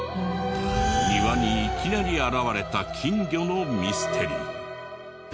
庭にいきなり現れた金魚のミステリー。